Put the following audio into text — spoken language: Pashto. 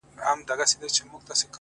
• ما لیدل د پښتنو بېړۍ ډوبیږي,